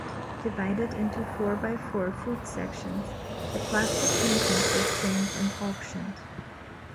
Divided into four-by-four foot sections, the plaster paintings were framed and auctioned.